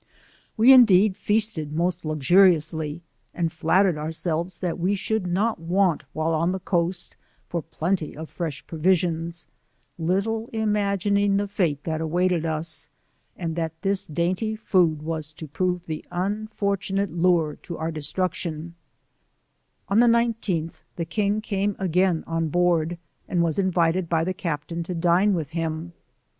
We in deed feasted most luxuriously, and flattered our selves that we should not want while on the coast for plenty of tVesh provisions, little imagining the fate that awaited us, and that this dainty food was to prove the unfortunate lure to our destruction I On the ]9th, the king came again on board, and was invited by the Captain to dine with him.